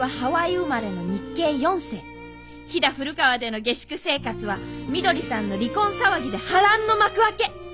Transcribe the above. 飛騨古川での下宿生活はみどりさんの離婚騒ぎで波乱の幕開け。